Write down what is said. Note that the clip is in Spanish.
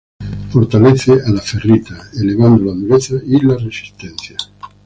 Fortalece a la ferrita, elevando la dureza y la resistencia.